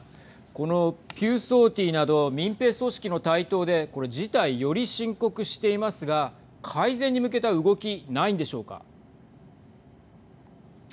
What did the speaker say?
このピューソーティーなど民兵組織の台頭で事態より深刻していますが改善に向けた動きないんでしょうか。